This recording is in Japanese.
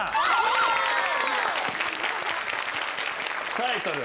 タイトル。